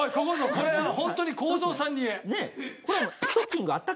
これはホントに公造さんに言え。